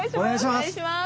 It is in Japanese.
お願いします。